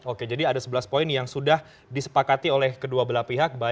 oke jadi ada sebelas poin yang sudah disepakati oleh kedua belah pihak